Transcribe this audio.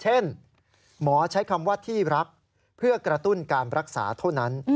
เช่นหมอใช้คำว่าที่รักเพื่อกระตุ้นการรักษาเท่านั้น